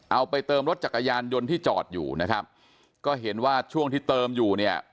เอาไปเติมรถจักรยานยนต์ที่จอดอยู่นะครับก็เห็นว่าช่วงที่เติมอยู่เนี่ย